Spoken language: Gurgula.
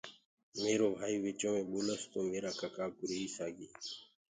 ميرو ڀآئيٚ وچو مي ٻولس تو ميرآ ڪَڪآ ڪوُ ريس آگي۔